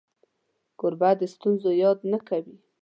کوربه د ستونزو یاد نه کوي.